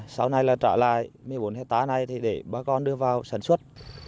sau này là trả lại một mươi bốn hectare này để bà con đưa vào sản xuất